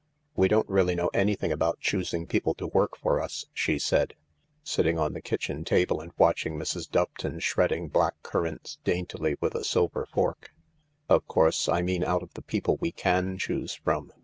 " We don't really know anything about choosing people to work for us," she said, sitting on the kitchen table and watching Mrs. Doveton shredding black currants daintily with a silver fork. " Of course, I mean out of the people we can choose from.